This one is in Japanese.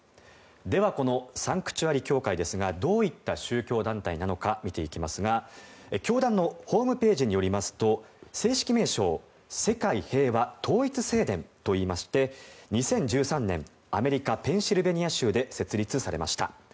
では、このサンクチュアリ教会ですがどういった宗教団体なのか見ていきますが教団のホームページによりますと正式名称世界平和統一聖殿といいまして２０１３年アメリカ・ペンシルベニア州で設立されました。